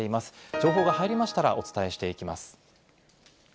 情報が入りましたらお伝えしていきます。